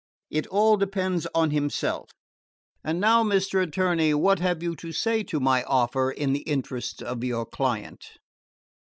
It all depends on himself. And now, Mr. Attorney, what have you to say to my offer in the interests of your client?"